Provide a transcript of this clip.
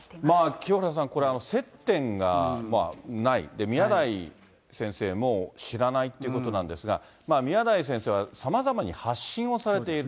清原さん、これ、接点がない、宮台先生も知らないってことなんですが、宮台先生はさまざまに発信をされている。